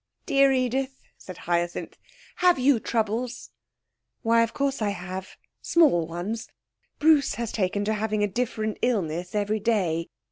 'Dear Edith,' said Hyacinth, 'have you troubles?' 'Why, of course I have small ones. Bruce has taken to having a different illness every day.